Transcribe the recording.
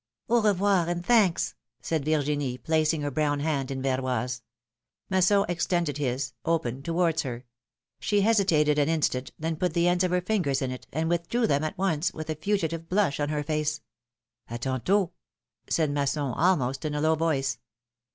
'^ revoir, and thanks," said Virginie, placing her brown hand in Verroy's. Masson extended his — open — towards her; she hesitated an instant, then put the ends of her fingers in it, and withdrew them at once, with a fugitive blush on her face. tantdt/^ said Masson, almost in a low voice.